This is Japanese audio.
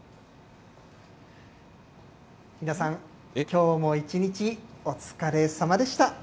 皆さん、きょうも一日、お疲れさまでした。